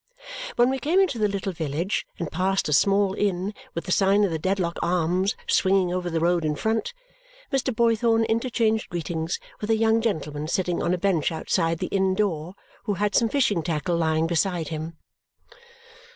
When we came into the little village and passed a small inn with the sign of the Dedlock Arms swinging over the road in front, Mr. Boythorn interchanged greetings with a young gentleman sitting on a bench outside the inn door who had some fishing tackle lying beside him.